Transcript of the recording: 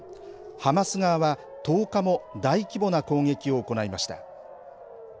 ハマス側は、１０日も大規模な攻撃を行いました。